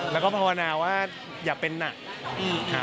แล้วก็ภาวนาว่าอย่าเป็นหนัก